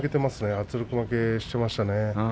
圧力負けしていましたね。